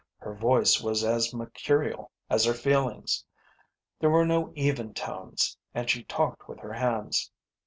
Her voice was as mercurial as her feelings. There were no even tones, and she talked with her hands.